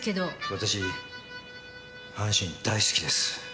私阪神大好きです。